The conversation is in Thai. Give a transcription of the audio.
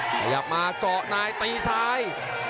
ขยับมาเกาะนายตีซ้าย